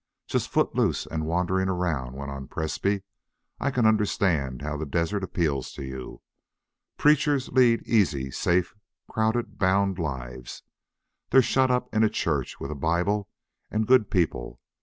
Just foot loose and wandering around," went on Presbrey. "I can understand how the desert appeals to you. Preachers lead easy, safe, crowded, bound lives. They're shut up in a church with a Bible and good people.